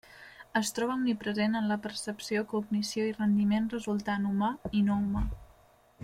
Es troba omnipresent en la percepció, cognició i rendiment resultant humà i no humà.